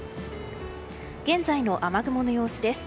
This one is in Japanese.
現在の雨雲の様子です。